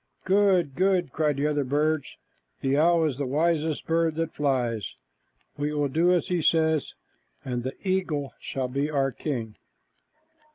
"Good, good!" cried the other birds. "The owl is the wisest bird that flies. We will do as he says, and the eagle shall be our king."